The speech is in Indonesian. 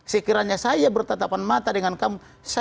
sekiranya saya bertetapan mata dengan kamu